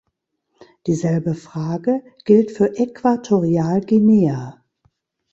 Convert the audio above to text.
Dieselbe Frage gilt für Äquatorialguinea.